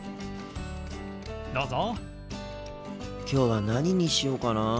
今日は何にしようかな。